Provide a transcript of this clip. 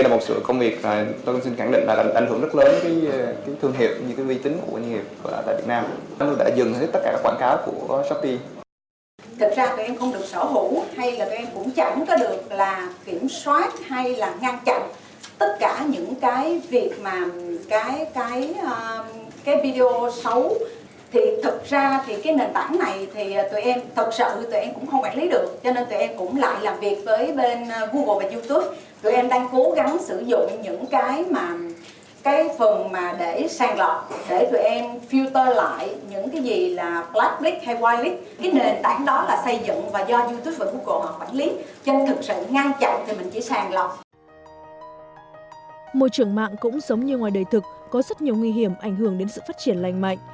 môi trường mạng cũng giống như ngoài đời thực có rất nhiều nguy hiểm ảnh hưởng đến sự phát triển lành mạnh